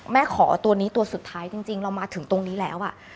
ขอตัวนี้ตัวสุดท้ายจริงเรามาถึงตรงนี้แล้ว